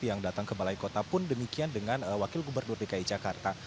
yang datang ke balai kota pun demikian dengan wakil gubernur dki jakarta